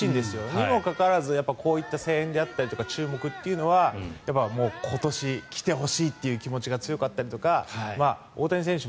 にもかかわらずこういった声援であったり注目っていうのは今年、来てほしいという気持ちが強かったりとか大谷選手